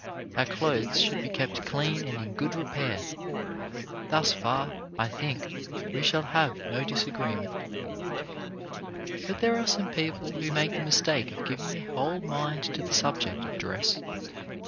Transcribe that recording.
Our clothes should be kept clean and in good repair. Thus far, I think, we shall have no disagreement. But there are some people who make the mis 245 246 CHARACTER BUILDING take of giving their whole mind to the subject of dress.